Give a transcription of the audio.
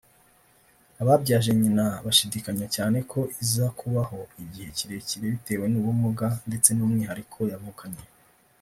Ababyaje nyina bashidikanya cyane ko iza kubaho igihe kirekire bitewe n’ubumuga ndetse n’umwihariko yavukanye